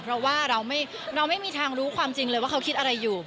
เพราะว่าเราไม่มีทางรู้ความจริงเลยว่าเขาคิดอะไรอยู่